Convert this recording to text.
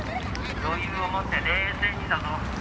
余裕を持って冷静にだぞ！